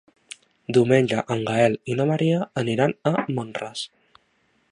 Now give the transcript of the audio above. Diumenge en Gaël i na Maria aniran a Mont-ras.